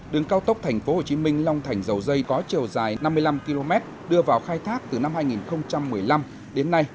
đường cao tốc tp hcm long thành dầu dây có chiều dài năm mươi năm km đưa vào khai thác từ năm hai nghìn một mươi năm đến nay